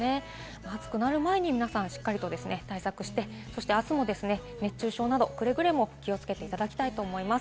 暑くなる前に皆さん、しっかりと対策して、明日も熱中症などくれぐれも気をつけていただきたいと思います。